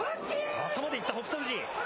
頭で行った北勝富士。